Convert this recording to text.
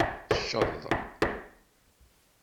Cceḍ.